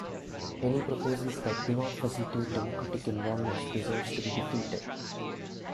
Any proposals that do not facilitate democratic involvement deserve to be defeated.